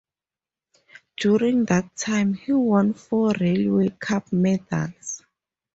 During that time he won four Railway Cup medals.